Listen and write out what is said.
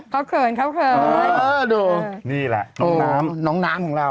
เห็นตัวเลยนะเขาเขินเขาเขินนี่แหละน้องน้ำน้องน้ำของเรา